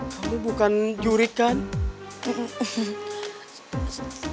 kamu bukan jurik kan